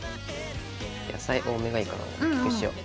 野菜多めがいいからこうしよう。